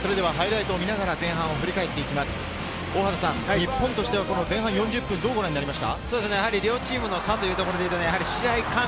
日本としては前半４０分、どうご覧になりました？